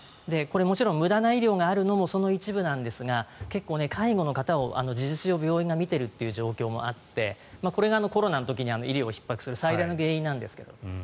無駄な医療があるのもその一部なんですが介護の方を事実上病院が見ていることもあってこれがコロナの時に医療をひっ迫した最大の原因でもあるんですが。